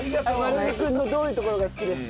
あばれる君のどういうところが好きですか？